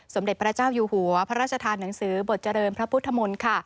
สมเด็จพระเจ้าอยู่หัวพระราชทานหนังสือบทเจริญพระพุทธมนต์ค่ะ